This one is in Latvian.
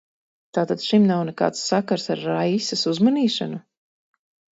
Tātad šim nav nekāds sakars ar Raisas uzmanīšanu?